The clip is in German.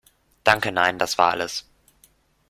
Danke nein, das war alles.